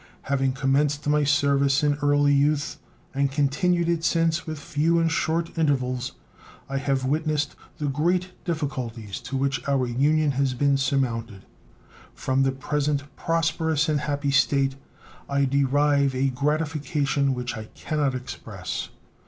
Having commenced my service in early youth, and continued it since with few and short intervals, I have witnessed the great difficulties to which our Union has been surmounted. From the present prosperous and happy state I derive a gratification which I can not express.